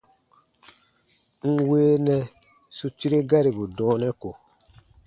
N weenɛ su tire garibu dɔɔnɛ ko.